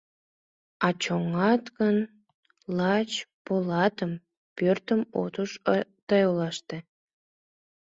А чоҥат гын, лач полатым, Пӧртым от уж ты олаште.